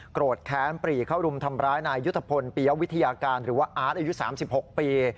โกรธแค้นปรีเข้ารุมทำร้ายนายยุทธพลปียวิทยาการหรือว่าอาร์ตอายุ๓๖ปี